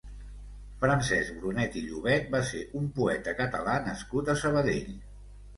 Francesc Brunet i Llobet va ser un poeta Català nascut a Sabadell.